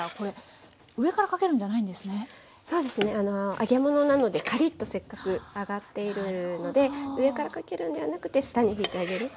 揚げ物なのでカリッとせっかく揚がっているので上からかけるのではなくて下にひいてあげる。